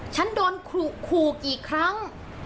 ฉันโดนขู่กี่ครั้ง